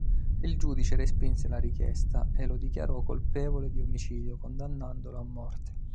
Il giudice respinse la richiesta, e lo dichiarò colpevole di omicidio condannandolo a morte.